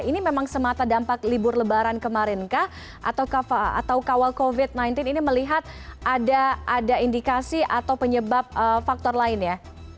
ini memang semata dampak libur lebaran kemarin kah atau kawal covid sembilan belas ini melihat ada indikasi atau penyebab faktor lain ya